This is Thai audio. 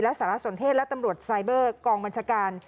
สารสนเทศและตำรวจไซเบอร์กองบัญชาการ